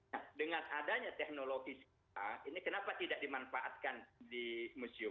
nah dengan adanya teknologi kita ini kenapa tidak dimanfaatkan di museum